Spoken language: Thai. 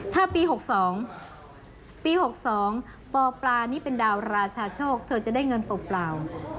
ถ้าปี๖๒ปี๖๒ปปลานี่เป็นดาวราชาโชคเธอจะได้เงินเปล่า